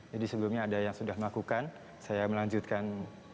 sebelumnya ada yang sudah melakukan saya melanjutkan